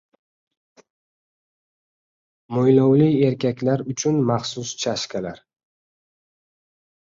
Mo‘ylovli erkaklar uchun maxsus chashkalar